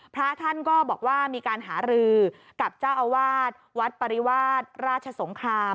พระท่านก็บอกว่ามีการหารือกับเจ้าอาวาสวัดปริวาสราชสงคราม